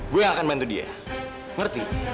gue yang akan bantu dia ngerti